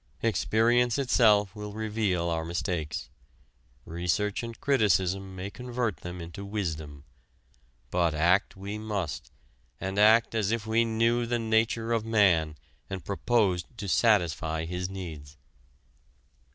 Experience itself will reveal our mistakes; research and criticism may convert them into wisdom. But act we must, and act as if we knew the nature of man and proposed to satisfy his needs.